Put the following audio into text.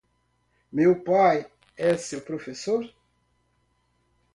Meu pai é seu professor.